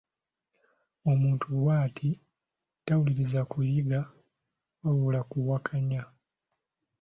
Omuntu bw'ati tawuliriza kuyiga wabula kuwakanya.